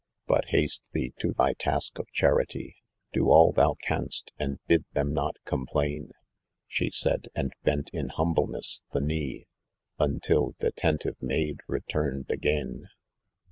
But haste thee to thy task of charity, Do all thou canst and hid them not complain, She said, and bent in hnnab'encss the knee Until th T attentive maid returned again.